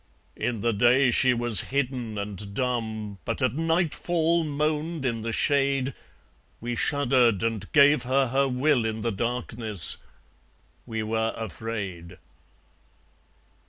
In the day She was hidden and dumb, but at nightfall moaned in the shade; We shuddered and gave Her Her will in the darkness; we were afraid.